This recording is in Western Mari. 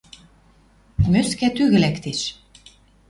Мӧскӓ тӱгӹ лӓктеш